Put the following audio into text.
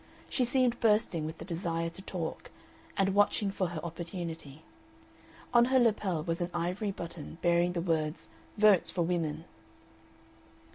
She seemed bursting with the desire to talk, and watching for her opportunity. On her lapel was an ivory button, bearing the words "Votes for Women."